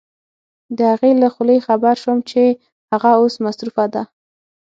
د هغې له خولې خبر شوم چې هغه اوس مصروفه ده.